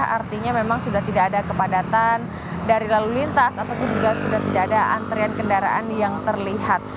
artinya memang sudah tidak ada kepadatan dari lalu lintas ataupun juga sudah tidak ada antrian kendaraan yang terlihat